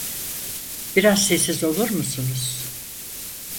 Biraz sessiz olur musunuz?